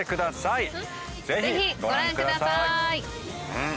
ぜひご覧ください。